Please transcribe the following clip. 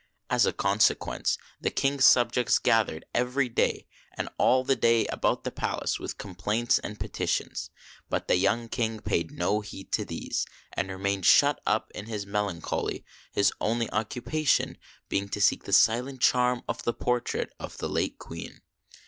As a consequence, the King's subjects gathered every day, and all the day, about the palace with complaints and peti tions ; but the young King paid no heed to these, and remained shut up in his melancholy, his only occupation being to seek the silent charm of the portrait of the late Queen.